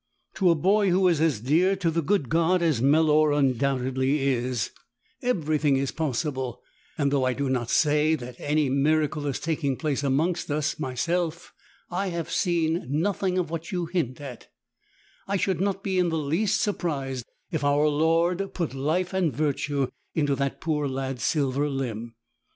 To a boy who is as dear to the good God as Melor undoubtedly is, 9 everything is possible, and though I do not say that any miracle is taking place amongst us — myself, I have seen nothing of what you hint at — I should not be in the least surprised if our Lord put life and virtue into that poor lad's silver limb.